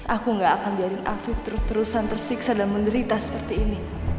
aku gak akan biarin aku terus terusan tersiksa dan menderita seperti ini